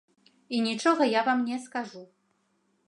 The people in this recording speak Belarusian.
І нічога я вам не скажу.